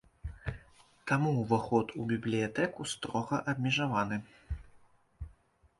Таму ўваход у бібліятэку строга абмежаваны.